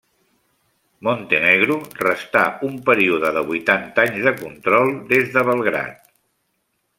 Montenegro restà un període de vuitanta anys de control des de Belgrad.